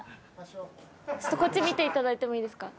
ちょっとこっち見ていただいてもいいですか？